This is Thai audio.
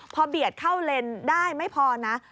พอเบียดเข้าเลนได้ไม่พอนะ